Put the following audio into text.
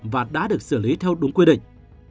và đã được xử lý theo đúng quy định